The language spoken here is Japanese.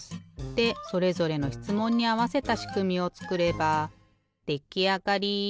でそれぞれのしつもんにあわせたしくみをつくればできあがり！